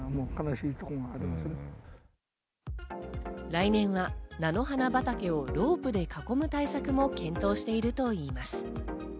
来年は菜の花畑をロープで囲む対策も検討しているといいます。